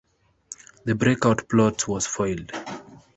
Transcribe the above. The breakout plot was foiled.